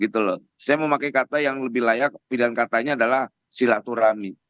saya memakai kata yang lebih layak pilihan katanya adalah silaturahmi